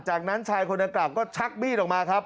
จากนั้นชายคนดังกล่าวก็ชักมีดออกมาครับ